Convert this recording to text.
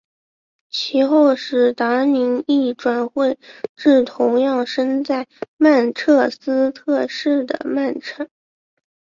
其后史达宁亦转会至同样身在曼彻斯特市的曼城。